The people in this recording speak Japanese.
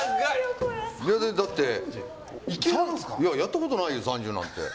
だって、やったことないよ３０なんて。